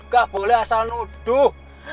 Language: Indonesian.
gak boleh asal nuduh